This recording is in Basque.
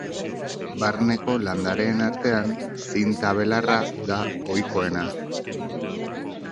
Barneko landareen artean zinta-belarra da ohikoena.